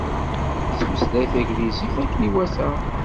Yettmeslay taglizit akken iwata.